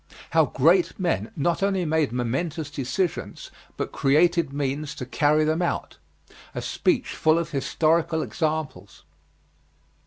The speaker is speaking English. How great men not only made momentous decisions but created means to carry them out. A speech full of historical examples.